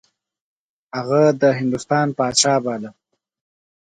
هغه د هندوستان پاچا باله.